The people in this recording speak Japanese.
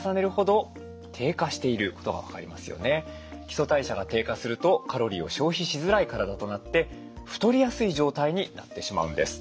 基礎代謝が低下するとカロリーを消費しづらい体となって太りやすい状態になってしまうんです。